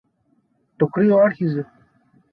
Το κρύο άρχιζε